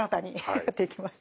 はい。